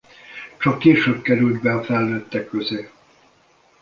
Csak később került be a felnőttek közé.